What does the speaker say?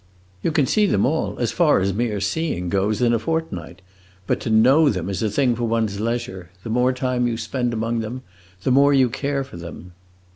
"You can see them all, as far as mere seeing goes, in a fortnight. But to know them is a thing for one's leisure. The more time you spend among them, the more you care for them."